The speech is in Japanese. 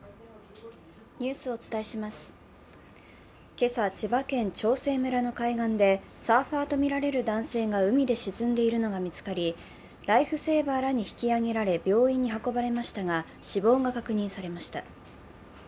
今朝、千葉県長生村の海岸でサーファーとみられる男性が海でに沈んでいるのが見つかりライフセーバーらに引き上げられ病院に運ばれましたが、死亡が確認されました。